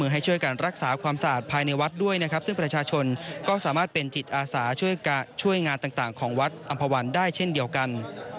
และมีที่นั่งให้รับประทานอาหารอย่างเป็นระเบียบหลายกเกิดก็คัดว่าเพียงพอเต่าผู้มาร่วมงาน